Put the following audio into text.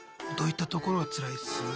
どういったところがつらいです？